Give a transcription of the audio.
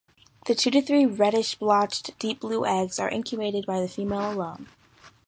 The two to three reddish-blotched deep-blue eggs are incubated by the female alone.